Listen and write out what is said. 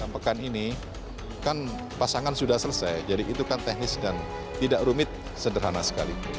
pekan ini kan pasangan sudah selesai jadi itu kan teknis dan tidak rumit sederhana sekali